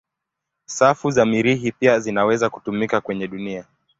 Safu za Mirihi pia zinaweza kutumika kwenye dunia.